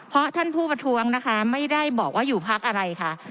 เพราะท่านผู้ประท้วงนะคะไม่ได้บอกว่าอยู่พักอะไรค่ะ